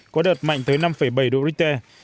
có đợt mạnh tới năm bảy độ richter